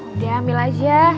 udah ambil aja